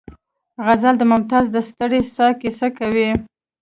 غزل د ممتاز د ستړې ساه کیسه کوي